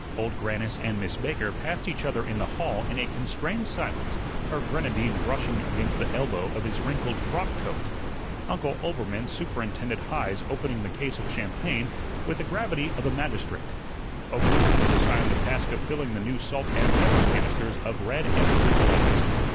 Old Grannis and Miss Baker passed each other in the hall in a constrained silence, her grenadine brushing against the elbow of his wrinkled frock coat. Uncle Oelbermann superintended Heise opening the case of champagne with the gravity of a magistrate. Owgooste was assigned the task of filling the new salt and pepper canisters of red and blue glass.